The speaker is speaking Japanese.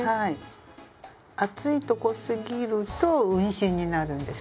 厚いとこすぎると運針になるんですけど。